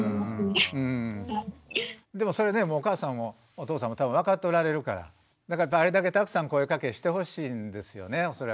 でもそれねお母さんもお父さんも多分分かっておられるからだからあれだけたくさん声かけしてほしいんですよね恐らくね。